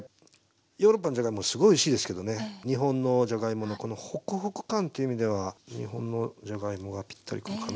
ヨーロッパのじゃがいももすごいおいしいですけどね日本のじゃがいものこのホクホク感っていう意味では日本のじゃがいもがぴったりくるかな。